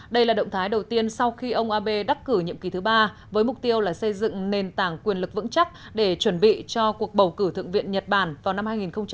đây là động thái đầu tiên sau khi ông abe đắc cử nhiệm kỳ thứ ba với mục tiêu là xây dựng nền tảng quyền lực vững chắc để chuẩn bị cho cuộc bầu cử thượng viện nhật bản vào năm hai nghìn hai mươi